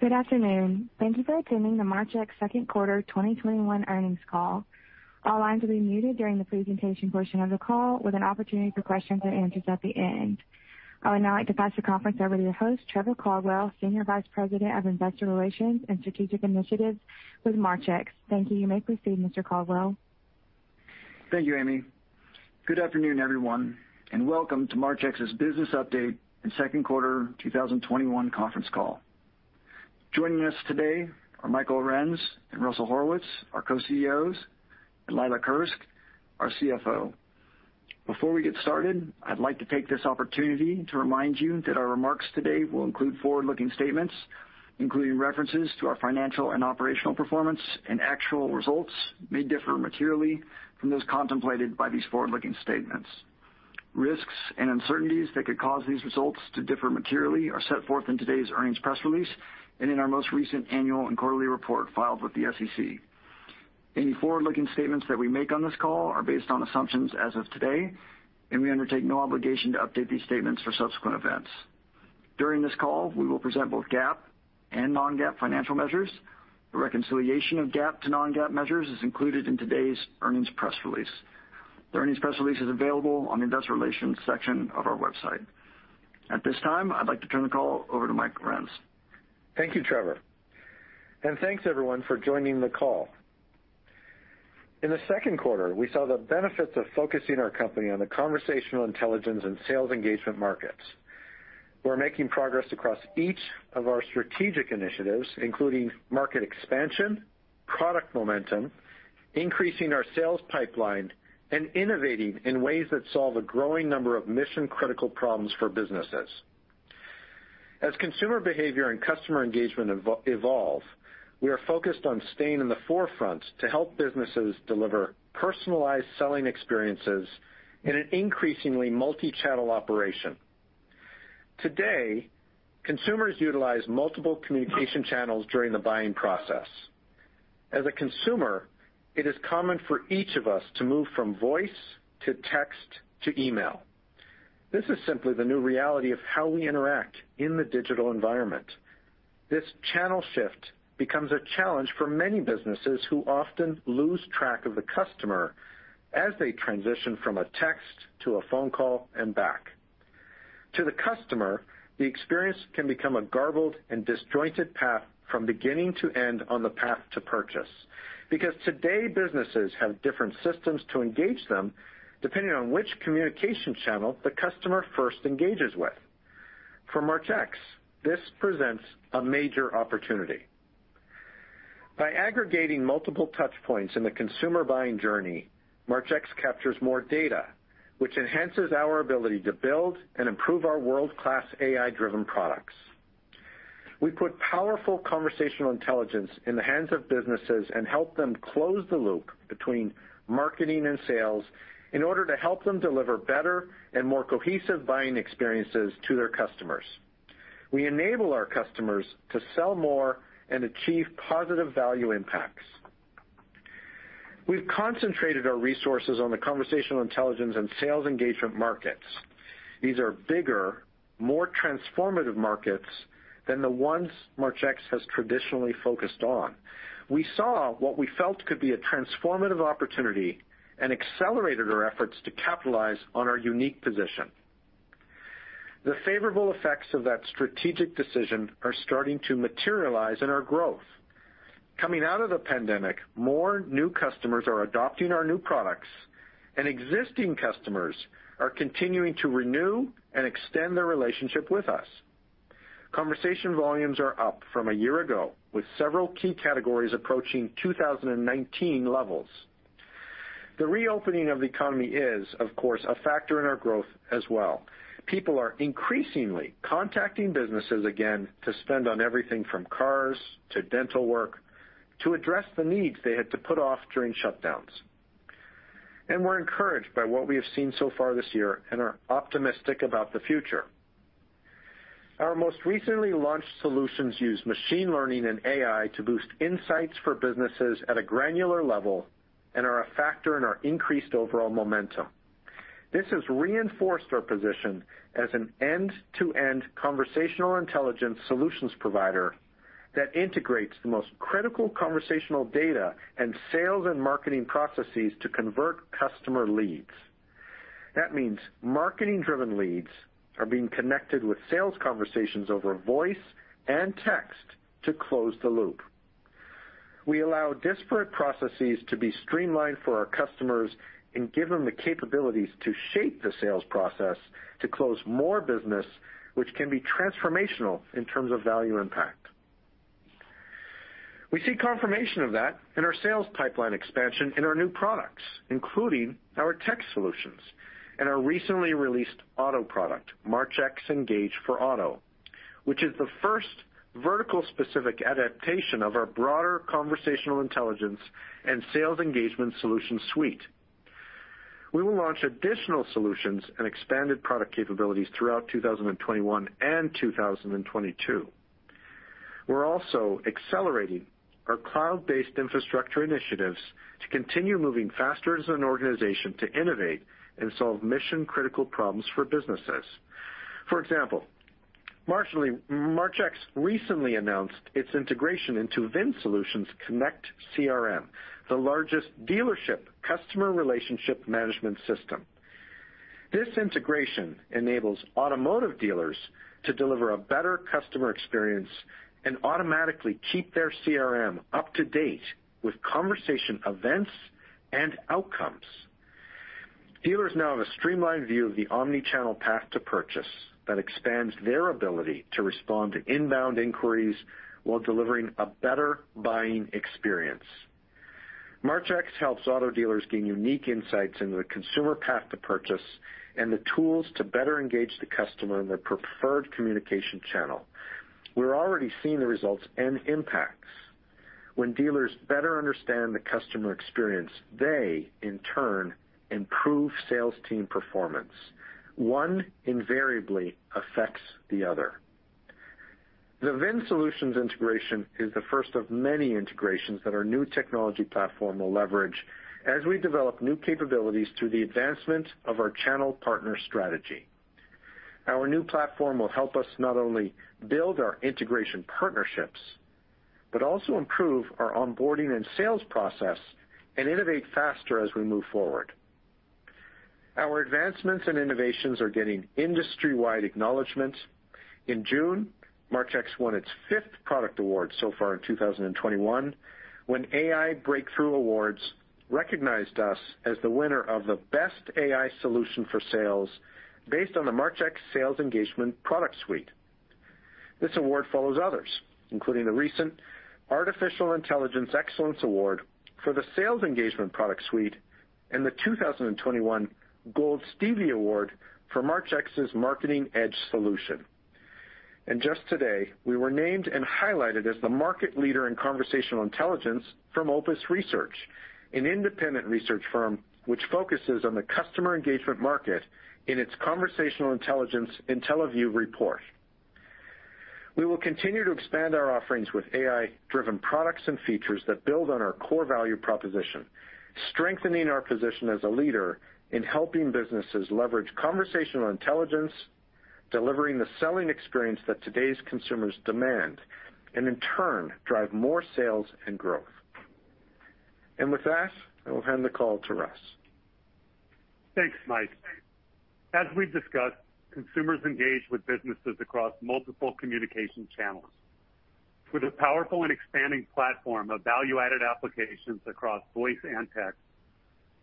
Good afternoon. Thank you for attending the Marchex second quarter 2021 earnings call. All lines will be muted during the presentation portion of the call with an opportunity for questions and answers at the end. I would now like to pass the conference over to your host, Trevor Caldwell, Senior Vice President of Investor Relations and Strategic Initiatives with Marchex. Thank you. You may proceed, Mr. Caldwell. Thank you, Amy. Good afternoon, everyone, and welcome to Marchex's business update and second quarter 2021 conference call. Joining us today are Mike Arends and Russell Horowitz, our co-CEOs, and Leila Kirske, our CFO. Before we get started, I'd like to take this opportunity to remind you that our remarks today will include forward-looking statements, including references to our financial and operational performance, and actual results may differ materially from those contemplated by these forward-looking statements. Risks and uncertainties that could cause these results to differ materially are set forth in today's earnings press release and in our most recent annual and quarterly report filed with the SEC. Any forward-looking statements that we make on this call are based on assumptions as of today, and we undertake no obligation to update these statements for subsequent events. During this call, we will present both GAAP and non-GAAP financial measures. The reconciliation of GAAP to non-GAAP measures is included in today's earnings press release. The earnings press release is available on the investor relations section of our website. At this time, I'd like to turn the call over to Mike Arends. Thank you, Trevor. Thanks everyone for joining the call. In the second quarter, we saw the benefits of focusing our company on the conversational intelligence and sales engagement markets. We're making progress across each of our strategic initiatives, including market expansion, product momentum, increasing our sales pipeline, and innovating in ways that solve a growing number of mission-critical problems for businesses. As consumer behavior and customer engagement evolve, we are focused on staying in the forefront to help businesses deliver personalized selling experiences in an increasingly multi-channel operation. Today, consumers utilize multiple communication channels during the buying process. As a consumer, it is common for each of us to move from voice to text to email. This is simply the new reality of how we interact in the digital environment. This channel shift becomes a challenge for many businesses who often lose track of the customer as they transition from a text to a phone call and back. To the customer, the experience can become a garbled and disjointed path from beginning to end on the path to purchase, because today businesses have different systems to engage them depending on which communication channel the customer first engages with. For Marchex, this presents a major opportunity. By aggregating multiple touch points in the consumer buying journey, Marchex captures more data, which enhances our ability to build and improve our world-class AI-driven products. We put powerful conversational intelligence in the hands of businesses and help them close the loop between marketing and sales in order to help them deliver better and more cohesive buying experiences to their customers. We enable our customers to sell more and achieve positive value impacts. We've concentrated our resources on the conversational intelligence and sales engagement markets. These are bigger, more transformative markets than the ones Marchex has traditionally focused on. We saw what we felt could be a transformative opportunity and accelerated our efforts to capitalize on our unique position. The favorable effects of that strategic decision are starting to materialize in our growth. Coming out of the pandemic, more new customers are adopting our new products, and existing customers are continuing to renew and extend their relationship with us. Conversation volumes are up from a year ago, with several key categories approaching 2019 levels. The reopening of the economy is, of course, a factor in our growth as well. People are increasingly contacting businesses again to spend on everything from cars to dental work to address the needs they had to put off during shutdowns. We're encouraged by what we have seen so far this year and are optimistic about the future. Our most recently launched solutions use machine learning and AI to boost insights for businesses at a granular level and are a factor in our increased overall momentum. This has reinforced our position as an end-to-end conversational intelligence solutions provider that integrates the most critical conversational data and sales and marketing processes to convert customer leads. That means marketing-driven leads are being connected with sales conversations over voice and text to close the loop. We allow disparate processes to be streamlined for our customers and give them the capabilities to shape the sales process to close more business, which can be transformational in terms of value impact. We see confirmation of that in our sales pipeline expansion in our new products, including our tech solutions and our recently released auto product, Marchex Engage for Auto, which is the first vertical-specific adaptation of our broader conversational intelligence and sales engagement solution suite. We will launch additional solutions and expanded product capabilities throughout 2021 and 2022. We're also accelerating our cloud-based infrastructure initiatives to continue moving faster as an organization to innovate and solve mission-critical problems for businesses. For example, Marchex recently announced its integration into VinSolutions Connect CRM, the largest dealership customer relationship management system. This integration enables automotive dealers to deliver a better customer experience and automatically keep their CRM up to date with conversation events and outcomes. Dealers now have a streamlined view of the omni-channel path to purchase that expands their ability to respond to inbound inquiries while delivering a better buying experience. Marchex helps auto dealers gain unique insights into the consumer path to purchase and the tools to better engage the customer in their preferred communication channel. We're already seeing the results and impacts. When dealers better understand the customer experience, they, in turn, improve sales team performance. One invariably affects the other. The VinSolutions integration is the first of many integrations that our new technology platform will leverage as we develop new capabilities through the advancement of our channel partner strategy. Our new platform will help us not only build our integration partnerships, but also improve our onboarding and sales process and innovate faster as we move forward. Our advancements and innovations are getting industry-wide acknowledgment. In June, Marchex won its fifth product award so far in 2021, when AI Breakthrough Awards recognized us as the winner of the best AI solution for sales based on the Marchex Sales Engagement product suite. This award follows others, including the recent Artificial Intelligence Excellence Award for the Sales Engagement product suite and the 2021 Gold Stevie Award for Marchex's Marketing Edge solution. Just today, we were named and highlighted as the market leader in conversational intelligence from Opus Research, an independent research firm which focuses on the customer engagement market in its Conversational Intelligence Intelliview report. We will continue to expand our offerings with AI-driven products and features that build on our core value proposition, strengthening our position as a leader in helping businesses leverage conversational intelligence, delivering the selling experience that today's consumers demand, and in turn, drive more sales and growth. With that, I will hand the call to Russ. Thanks, Mike. As we've discussed, consumers engage with businesses across multiple communication channels. With a powerful and expanding platform of value-added applications across voice and text,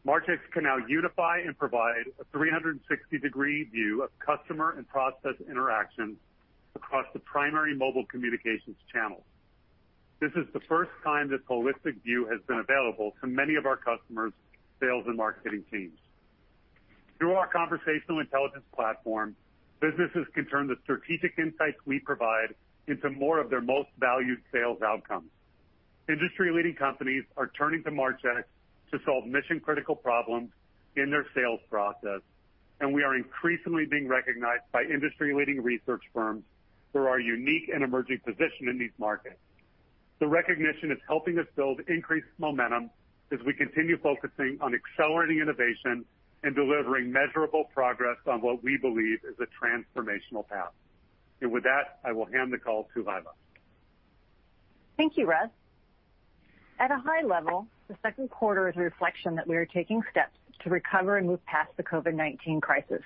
Marchex can now unify and provide a 360-degree view of customer and process interactions across the primary mobile communications channels. This is the first time this holistic view has been available to many of our customers' sales and marketing teams. Through our conversational intelligence platform, businesses can turn the strategic insights we provide into more of their most valued sales outcomes. Industry-leading companies are turning to Marchex to solve mission-critical problems in their sales process, and we are increasingly being recognized by industry-leading research firms for our unique and emerging position in these markets. The recognition is helping us build increased momentum as we continue focusing on accelerating innovation and delivering measurable progress on what we believe is a transformational path. With that, I will hand the call to Leila. Thank you, Russ. At a high level, the second quarter is a reflection that we are taking steps to recover and move past the COVID-19 crisis.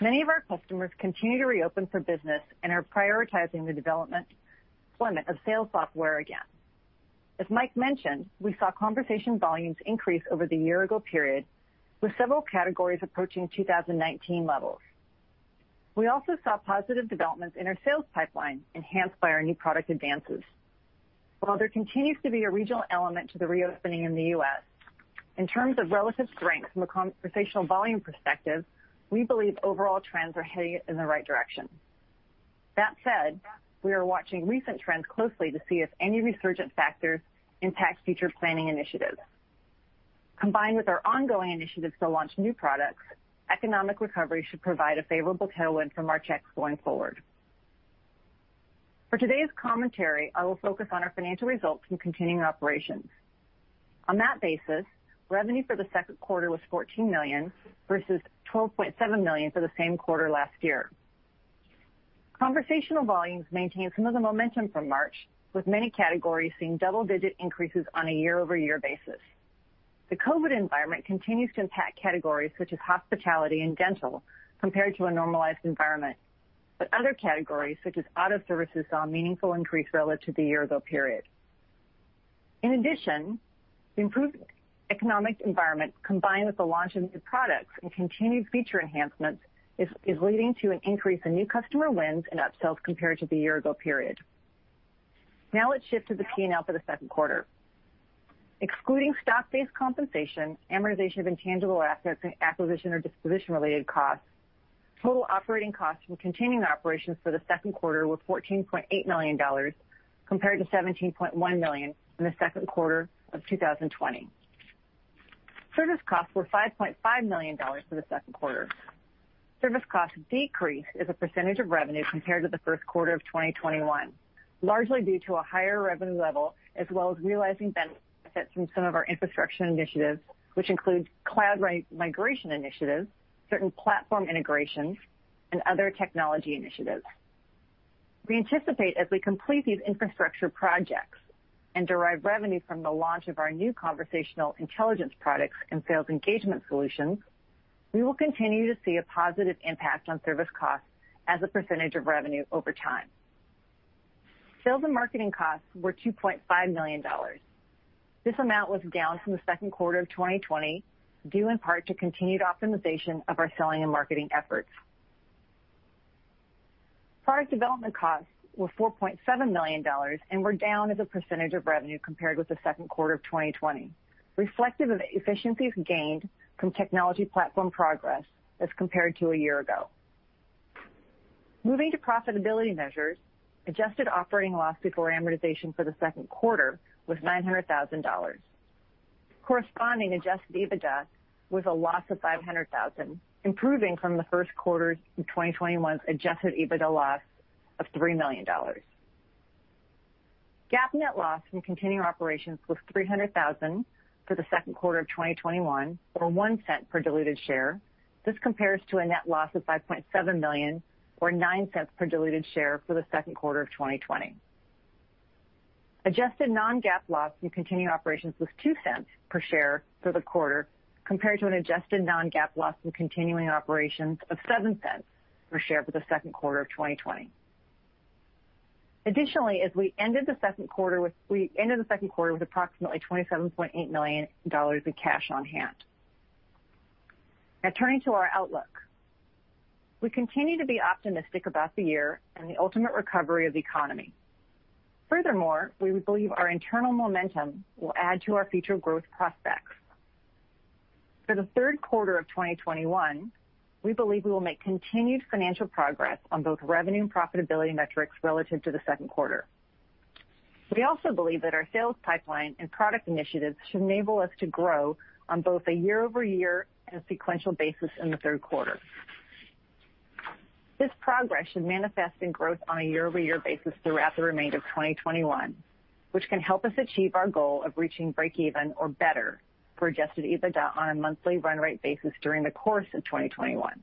Many of our customers continue to reopen for business and are prioritizing the development and deployment of sales software again. As Mike mentioned, we saw conversation volumes increase over the year-ago period, with several categories approaching 2019 levels. We also saw positive developments in our sales pipeline enhanced by our new product advances. While there continues to be a regional element to the reopening in the U.S., in terms of relative strength from a conversational volume perspective, we believe overall trends are heading in the right direction. That said, we are watching recent trends closely to see if any resurgent factors impact future planning initiatives. Combined with our ongoing initiatives to launch new products, economic recovery should provide a favorable tailwind for Marchex going forward. For today's commentary, I will focus on our financial results from continuing operations. On that basis, revenue for the second quarter was $14 million, versus $12.7 million for the same quarter last year. Conversational volumes maintained some of the momentum from March, with many categories seeing double-digit increases on a year-over-year basis. The COVID environment continues to impact categories such as hospitality and dental compared to a normalized environment. Other categories, such as auto services, saw a meaningful increase relative to the year-ago period. In addition, the improved economic environment, combined with the launch of new products and continued feature enhancements, is leading to an increase in new customer wins and upsells compared to the year-ago period. Now let's shift to the P&L for the second quarter. Excluding stock-based compensation, amortization of intangible assets, and acquisition or disposition-related costs, total operating costs from continuing operations for the second quarter were $14.8 million compared to $17.1 million in the second quarter of 2020. Service costs were $5.5 million for the second quarter. Service costs decreased as a percentage of revenue compared to the first quarter of 2021, largely due to a higher revenue level, as well as realizing benefits from some of our infrastructure initiatives, which includes cloud migration initiatives, certain platform integrations, and other technology initiatives. We anticipate as we complete these infrastructure projects and derive revenue from the launch of our new conversational intelligence products and sales engagement solutions, we will continue to see a positive impact on service costs as a percentage of revenue over time. Sales and marketing costs were $2.5 million. This amount was down from the second quarter of 2020, due in part to continued optimization of our selling and marketing efforts. Product development costs were $4.7 million and were down as a percentage of revenue compared with the second quarter of 2020, reflective of efficiencies gained from technology platform progress as compared to a year ago. Moving to profitability measures, adjusted operating loss before amortization for the second quarter was $900,000. Corresponding Adjusted EBITDA was a loss of $500,000, improving from the first quarter of 2021's Adjusted EBITDA loss of $3 million. GAAP net loss from continuing operations was $300,000 for the second quarter of 2021, or $0.01 per diluted share. This compares to a net loss of $5.7 million, or $0.09 per diluted share for the second quarter of 2020. Adjusted non-GAAP loss from continuing operations was $0.02 per share for the quarter, compared to an adjusted non-GAAP loss from continuing operations of $0.07 per share for the second quarter of 2020. Additionally, we ended the second quarter with approximately $27.8 million in cash on hand. Now turning to our outlook. We continue to be optimistic about the year and the ultimate recovery of the economy. Furthermore, we believe our internal momentum will add to our future growth prospects. For the third quarter of 2021, we believe we will make continued financial progress on both revenue and profitability metrics relative to the second quarter. We also believe that our sales pipeline and product initiatives should enable us to grow on both a year-over-year and a sequential basis in the third quarter. This progress should manifest in growth on a year-over-year basis throughout the remainder of 2021, which can help us achieve our goal of reaching break even or better for Adjusted EBITDA on a monthly run rate basis during the course of 2021.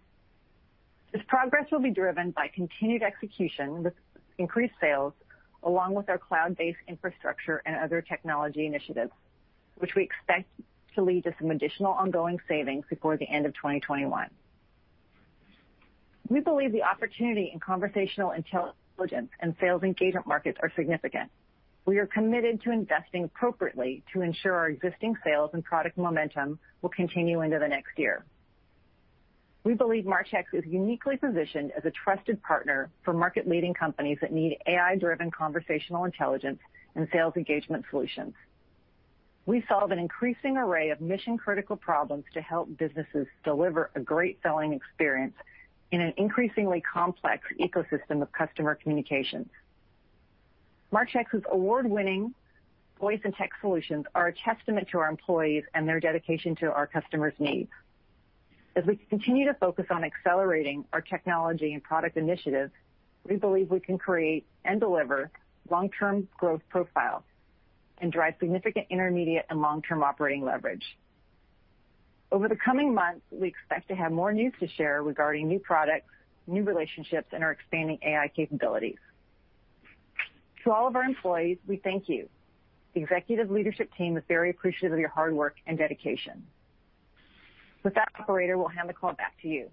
This progress will be driven by continued execution with increased sales, along with our cloud-based infrastructure and other technology initiatives, which we expect to lead to some additional ongoing savings before the end of 2021. We believe the opportunity in conversational intelligence and sales engagement markets are significant. We are committed to investing appropriately to ensure our existing sales and product momentum will continue into the next year. We believe Marchex is uniquely positioned as a trusted partner for market-leading companies that need AI-driven conversational intelligence and sales engagement solutions. We solve an increasing array of mission-critical problems to help businesses deliver a great selling experience in an increasingly complex ecosystem of customer communications. Marchex's award-winning voice and tech solutions are a testament to our employees and their dedication to our customers' needs. As we continue to focus on accelerating our technology and product initiatives, we believe we can create and deliver long-term growth profiles and drive significant intermediate and long-term operating leverage. Over the coming months, we expect to have more news to share regarding new products, new relationships, and our expanding AI capabilities. To all of our employees, we thank you. The executive leadership team is very appreciative of your hard work and dedication. With that, operator, we'll hand the call back to you.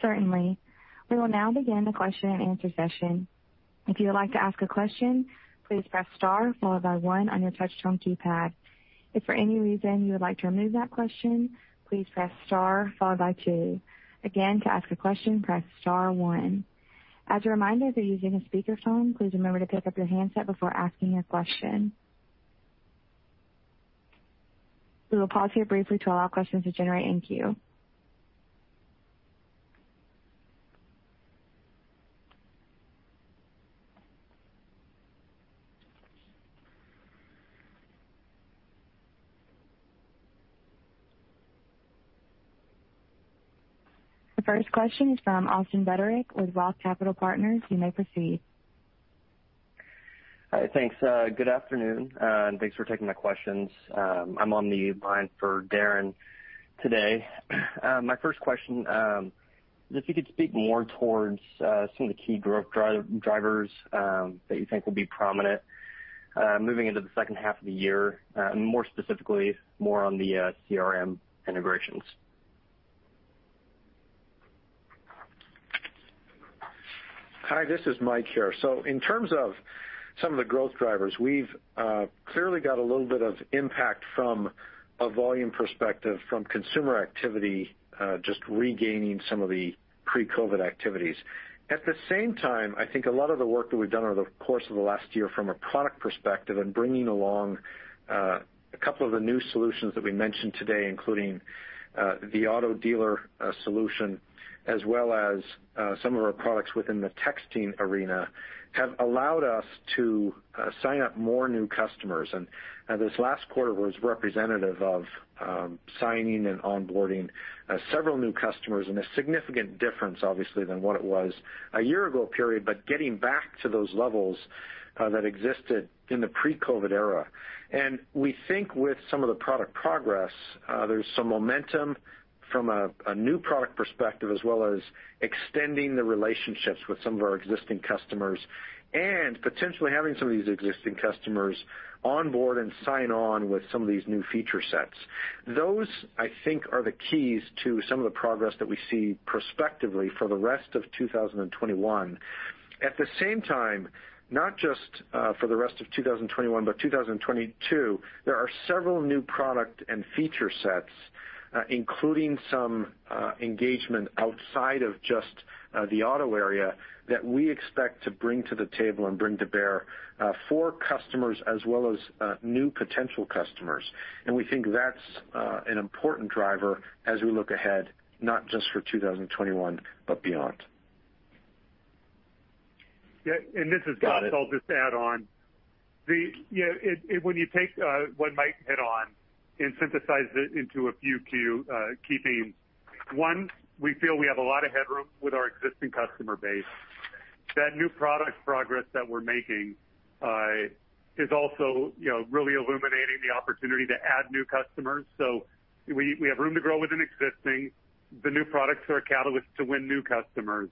The first question is from Austin Butterick with Roth Capital Partners. You may proceed. Hi. Thanks. Good afternoon, and thanks for taking my questions. I'm on the line for Darren today. My first question is if you could speak more towards some of the key growth drivers that you think will be prominent moving into the second half of the year, more specifically, more on the CRM integrations. Hi, this is Mike here. In terms of, some of the growth drivers. We've clearly got a little bit of impact from a volume perspective, from consumer activity, just regaining some of the pre-COVID activities. At the same time, I think a lot of the work that we've done over the course of the last year from a product perspective and bringing along a couple of the new solutions that we mentioned today, including the auto dealer solution, as well as some of our products within the texting arena, have allowed us to sign up more new customers. This last quarter was representative of signing and onboarding several new customers, and a significant difference, obviously, than what it was a 1 year ago period, but getting back to those levels that existed in the pre-COVID era. We think with some of the product progress, there's some momentum from a new product perspective, as well as extending the relationships with some of our existing customers, and potentially having some of these existing customers onboard and sign on with some of these new feature sets. Those, I think, are the keys to some of the progress that we see prospectively for the rest of 2021. At the same time, not just for the rest of 2021, but 2022, there are several new product and feature sets, including some engagement outside of just the auto area, that we expect to bring to the table and bring to bear for customers as well as new potential customers. We think that's an important driver as we look ahead, not just for 2021, but beyond. Yeah. This is [Scott]. Got it. I'll just add on. When you take what Mike hit on and synthesize it into a few key themes. One, we feel we have a lot of headroom with our existing customer base. That new product progress that we're making is also really illuminating the opportunity to add new customers. We have room to grow within existing. The new products are a catalyst to win new customers.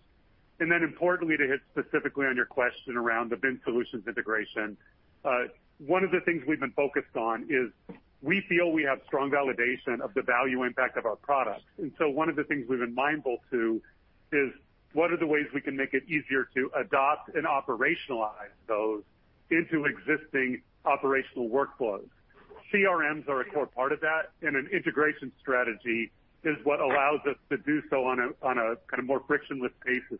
Importantly, to hit specifically on your question around the VinSolutions integration, one of the things we've been focused on is we feel we have strong validation of the value impact of our products. One of the things we've been mindful to is what are the ways we can make it easier to adopt and operationalize those into existing operational workflows? CRMs are a core part of that, and an integration strategy is what allows us to do so on a more frictionless basis.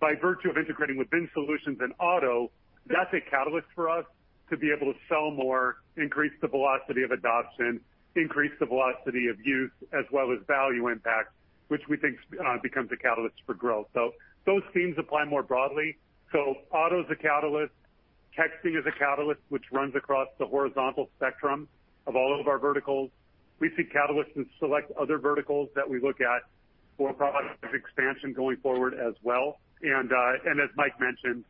By virtue of integrating with VinSolutions and auto, that's a catalyst for us to be able to sell more, increase the velocity of adoption, increase the velocity of use as well as value impact, which we think becomes a catalyst for growth. Those themes apply more broadly. Auto's a catalyst. Texting is a catalyst which runs across the horizontal spectrum of all of our verticals. We see catalysts in select other verticals that we look at for product expansion going forward as well. As Mike mentioned,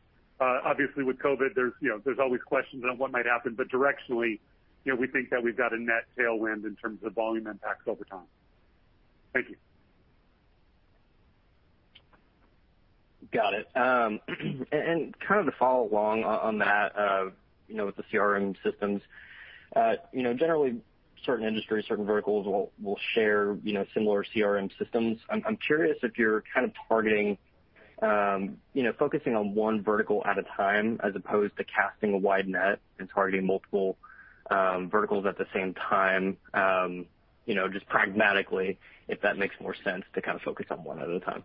obviously with COVID, there's always questions on what might happen. Directionally, we think that we've got a net tailwind in terms of volume impacts over time. Thank you. Got it. To follow along on that, with the CRM systems. Generally certain industries, certain verticals will share similar CRM systems. I'm curious if you're targeting, focusing on one vertical at a time as opposed to casting a wide net and targeting multiple verticals at the same time. Just pragmatically, if that makes more sense to focus on one at a time?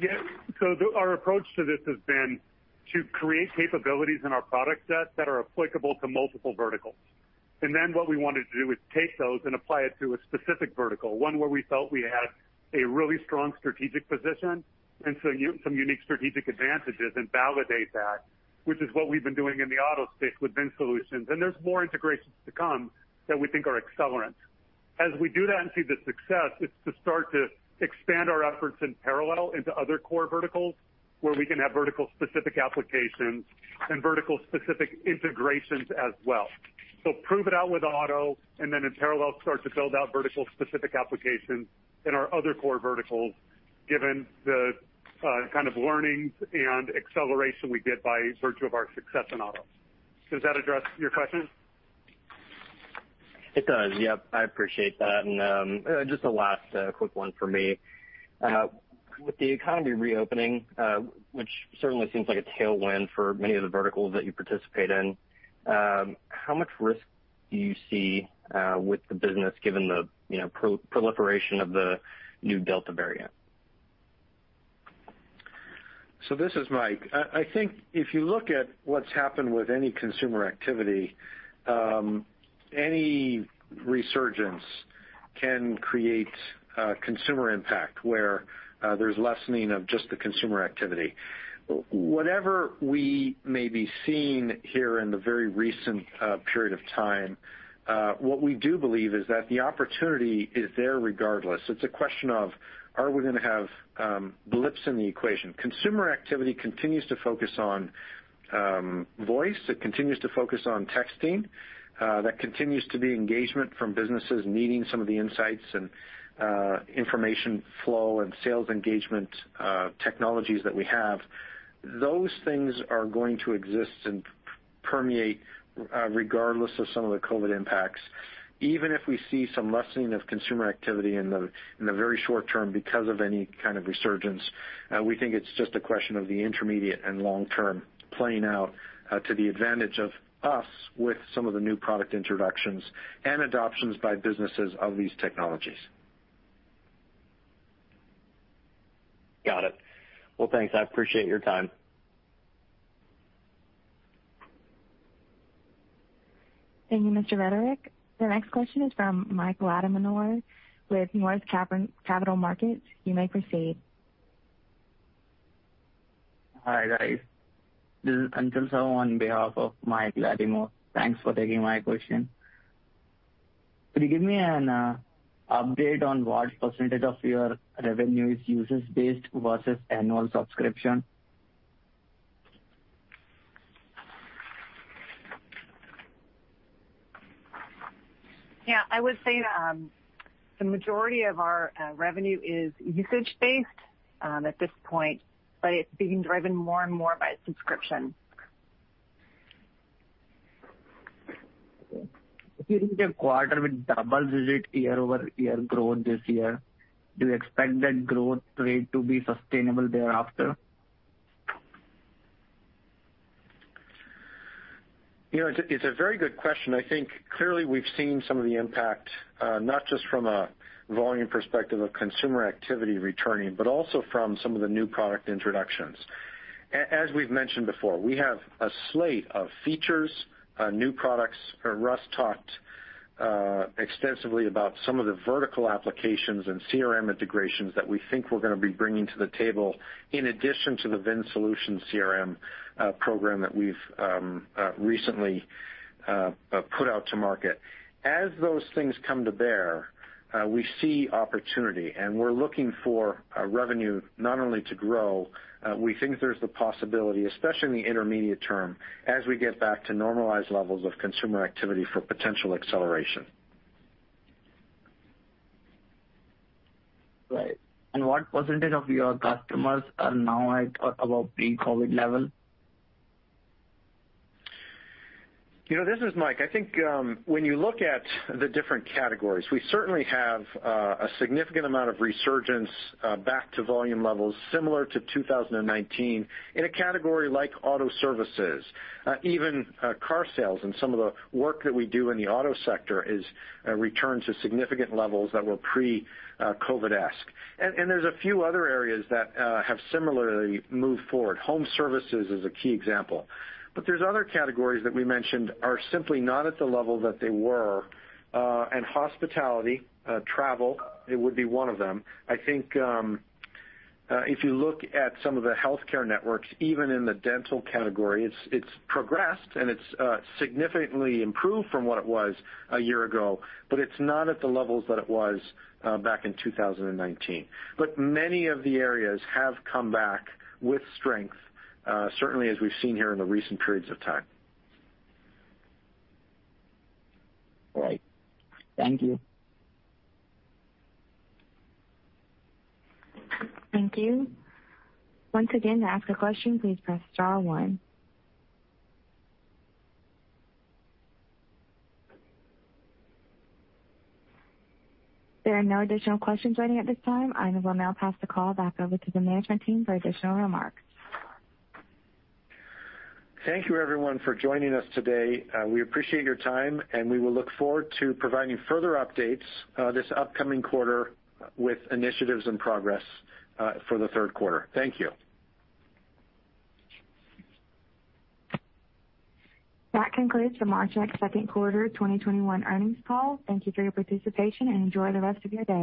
Yeah. Our approach to this has been to create capabilities in our product set that are applicable to multiple verticals. Then what we wanted to do is take those and apply it to a specific vertical, one where we felt we had a really strong strategic position and some unique strategic advantages and validate that, which is what we've been doing in the auto space with VinSolutions. There's more integrations to come that we think are accelerants. As we do that and see the success, it's to start to expand our efforts in parallel into other core verticals where we can have vertical specific applications and vertical specific integrations as well. Prove it out with auto and then in parallel, start to build out vertical specific applications in our other core verticals, given the kind of learnings and acceleration we get by virtue of our success in auto. Does that address your question? It does. Yep, I appreciate that. Just a last quick one from me. With the economy reopening, which certainly seems like a tailwind for many of the verticals that you participate in, how much risk do you see with the business given the proliferation of the new Delta variant? This is Mike. I think if you look at what's happened with any consumer activity, any resurgence can create consumer impact, where there's lessening of just the consumer activity. Whatever we may be seeing here in the very recent period of time, what we do believe is that the opportunity is there regardless. It's a question of are we going to have blips in the equation. Consumer activity continues to focus on voice, it continues to focus on texting. There continues to be engagement from businesses needing some of the insights and information flow and sales engagement technologies that we have. Those things are going to exist and permeate regardless of some of the COVID impacts. Even if we see some lessening of consumer activity in the very short term because of any kind of resurgence, we think it's just a question of the intermediate and long term playing out to the advantage of us with some of the new product introductions and adoptions by businesses of these technologies. Got it. Well, thanks. I appreciate your time. Thank you, Mr. Rederich. Your next question is from Michael Latimore with Northland Capital Markets. You may proceed. Hi, guys. This is Anshul Shah on behalf of Mike Latimore. Thanks for taking my question. Could you give me an update on what percentage of your revenue is usage-based versus annual subscription? Yeah, I would say that the majority of our revenue is usage-based at this point, but it's being driven more and more by subscription. If you reach a quarter with double-digit year-over-year growth this year, do you expect that growth rate to be sustainable thereafter? It's a very good question. I think clearly we've seen some of the impact, not just from a volume perspective of consumer activity returning, but also from some of the new product introductions. As we've mentioned before, we have a slate of features, new products. Russ talked extensively about some of the vertical applications and CRM integrations that we think we're going to be bringing to the table, in addition to the VinSolutions CRM program that we've recently put out to market. As those things come to bear, we see opportunity, and we're looking for our revenue not only to grow, we think there's the possibility, especially in the intermediate term, as we get back to normalized levels of consumer activity, for potential acceleration. Right. What percentage of your customers are now at or above pre-COVID level? This is Mike. I think when you look at the different categories, we certainly have a significant amount of resurgence back to volume levels similar to 2019 in a category like auto services. Even car sales and some of the work that we do in the auto sector is a return to significant levels that were pre-COVID-esque. There's a few other areas that have similarly moved forward. Home services is a key example. There's other categories that we mentioned are simply not at the level that they were. Hospitality, travel, it would be one of them. I think if you look at some of the healthcare networks, even in the dental category, it's progressed and it's significantly improved from what it was a year ago, but it's not at the levels that it was back in 2019. Many of the areas have come back with strength, certainly as we've seen here in the recent periods of time. Right. Thank you. Thank you. Once again, to ask a question, please press star one. There are no additional questions joining at this time. I will now pass the call back over to the management team for additional remarks. Thank you, everyone, for joining us today. We appreciate your time, and we will look forward to providing further updates this upcoming quarter with initiatives and progress for the third quarter. Thank you. That concludes the Marchex second quarter 2021 earnings call. Thank you for your participation, and enjoy the rest of your day.